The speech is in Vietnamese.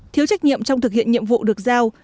thiếu trách nhiệm trong thực hiện nhiệm vụ được giao